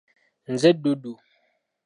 Nze Dudu.